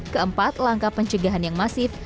keempat langkah pencegahan yang masif